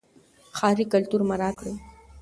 ښاري کلتور مراعات کړئ.